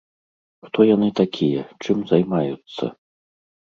Хто яны такія, чым займаюцца?